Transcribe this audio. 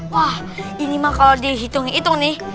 wah ini mah kalau dihitung hitung nih